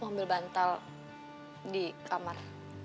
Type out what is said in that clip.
mau ambil bantal di kamar